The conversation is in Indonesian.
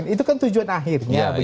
itu kan tujuan akhirnya